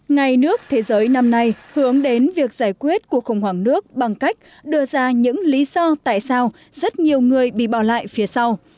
ngày nước thế giới năm nay hướng đến việc giải quyết cuộc khủng hoảng nước bằng cách đưa ra những lý do tại sao rất nhiều người bị bỏ lại phía sau